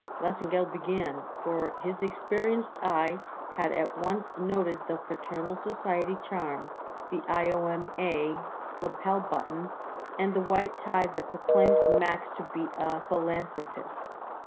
Lesengeld began, for his experienced eye had at once noted the fraternal society charm, the I.O.M.A. lapel button, and the white tie that proclaimed Max to be a philanthropist.